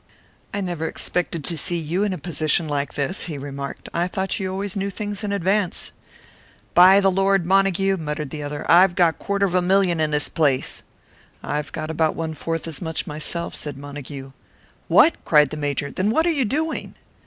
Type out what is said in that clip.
"I never expected to see you in a position like this," he remarked. "I thought you always knew things in advance." "By the Lord, Montague!" muttered the other, "I've got a quarter of a million in this place." "I've got about one fourth as much myself," said Montague. "What!" cried the Major. "Then what are you doing?"